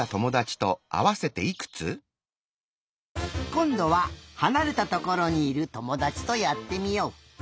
こんどははなれたところにいるともだちとやってみよう。